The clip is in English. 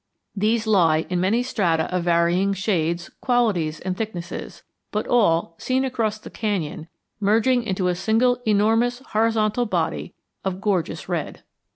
These lie in many strata of varying shades, qualities, and thicknesses, but all, seen across the canyon, merging into a single enormous horizontal body of gorgeous red.